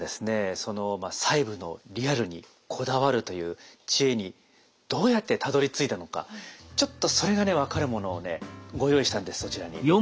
その細部のリアルにこだわるという知恵にどうやってたどりついたのかちょっとそれがね分かるものをねご用意したんでそちらに。